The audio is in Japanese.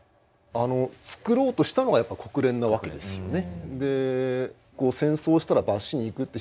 作ろうとしたのがやっぱり国連なわけですよね。